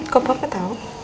kok papa tau